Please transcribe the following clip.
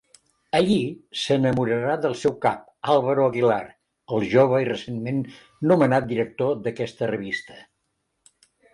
Allí s'enamorarà del seu cap, Álvaro Aguilar, el jove i recentment nomenat director d'aquesta revista.